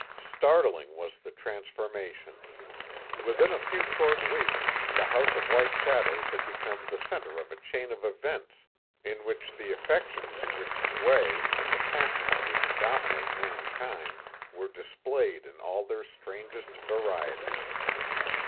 Startling was the transformation. Within a few short weeks the House of White Shadows had become the centre of a chain of events, in which the affections which sway and the passions which dominate mankind were displayed in all their strangest variety.